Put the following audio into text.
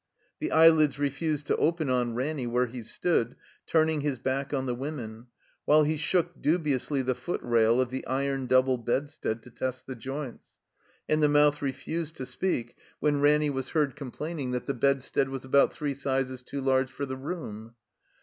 The eyelids refused to open on Ranny where he stood, turning his back on the women, while he shook dubiously the footrail of the iron double bedstead to test the joints; and the mouth refused to speak when Ranny was heard 138 THE COMBINED MAZE complaining that the bedstead was about three sizes too large for the room.